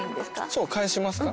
そう返しますか？